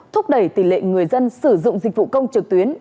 thúc đẩy tỷ lệ người dân sử dụng dịch vụ công trực tuyến